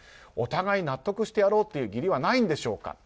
お互い、納得してやろうという義理はないんでしょうか。